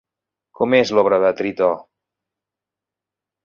Com és l'obra de Tritó?